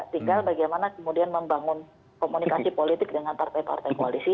tinggal bagaimana kemudian membangun komunikasi politik dengan partai partai koalisi